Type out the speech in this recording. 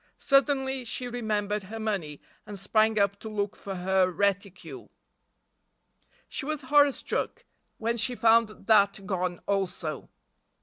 Suddenly she remembered her money and sprang up to look for her reticule. She was horror struck when she found that gone also.